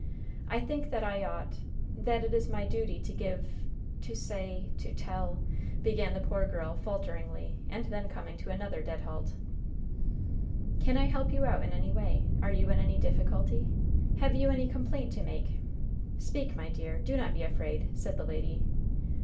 "I think I ought that it is my duty to give to say to tell " began the poor girl, falteringly, and then coming to another dead halt. "Can I help you out in any way? Are you in any difficulty? Have you any complaint to make? Speak, my dear. Do not be afraid," said the lady.